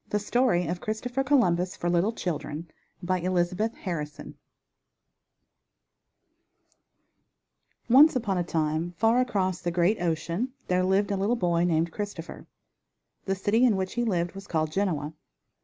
A STORY OF CHRISTOPHER COLUMBUS FOR LITTLE CHILDREN By Elizabeth Harrison Once upon a time, far across the great ocean there lived a little boy named Christopher. The city in which he lived was called Genoa.